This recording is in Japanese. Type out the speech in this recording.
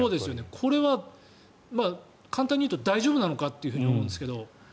これは簡単に言うと大丈夫なのかって思うんですが。